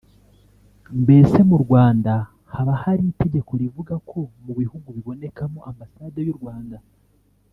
Mbese mu Rwanda haba hari itegeko rivuga ko mu bihugu bibonekamo ambasade y’u Rwanda